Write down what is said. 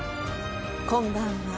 こんばんは。